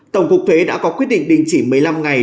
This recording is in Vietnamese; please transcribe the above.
tổng cục thuế đã có quyết định đình chỉ một mươi năm ngày